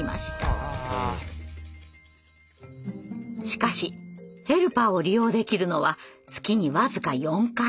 しかしヘルパーを利用できるのは月に僅か４回のみ。